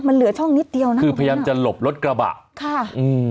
มันเหลือช่องนิดเดียวนะคือพยายามจะหลบรถกระบะค่ะอืม